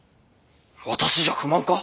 私じゃ不満か？